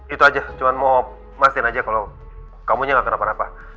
itu aja cuma mau pastiin aja kalau kamu gak kena apa apa